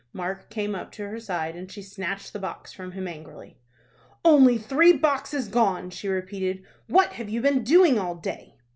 Mark came up to her side, and she snatched the box from him, angrily. "Only three boxes gone?" she repeated. "What have you been doing all day?"